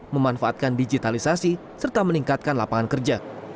memanfaatkan digitalisasi serta meningkatkan lapangan kerja